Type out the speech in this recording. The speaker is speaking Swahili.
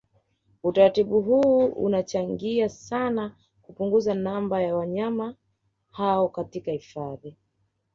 Utaratibu huu unachangia sana kupunguza namba ya wanyama hao katika hifadhi